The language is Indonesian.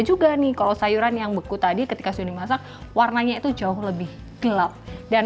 juga nih kalau sayuran yang beku tadi ketika sudah dimasak warnanya itu jauh lebih gelap dan